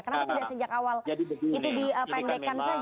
kenapa tidak sejak awal itu dipendekkan saja